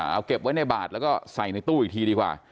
เอาเก็บไว้ในบาทแล้วก็ใส่ในตู้อีกทีดีกว่า